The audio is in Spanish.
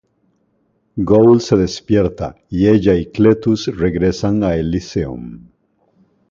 Goal se despierta, y ella y Cletus regresan a Elysium.